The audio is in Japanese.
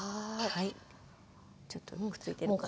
ちょっとくっついてるかな。